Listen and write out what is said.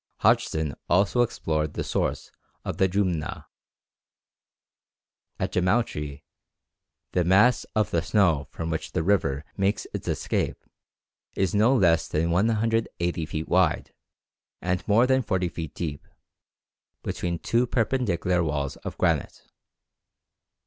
Hodgson also explored the source of the Jumna. At Djemautri the mass of snow from which the river makes its escape is no less than 180 feet wide and more than forty feet deep, between two perpendicular walls of granite.